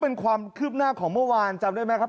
เป็นความคืบหน้าของเมื่อวานจำได้ไหมครับ